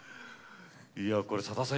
これ、さださん